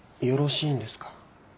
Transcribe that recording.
よろしいんですか？